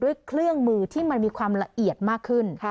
เครื่องมือที่มันมีความละเอียดมากขึ้น